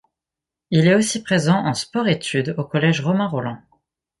Il est aussi présent en sport-études au collège Romain-Rolland.